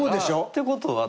ってことは。